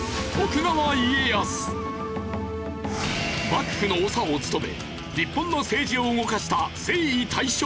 幕府の長を務め日本の政治を動かした征夷大将軍。